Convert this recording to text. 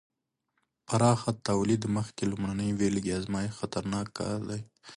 د پراخه تولید مخکې د لومړنۍ بېلګې ازمېښت خطرناک کار دی.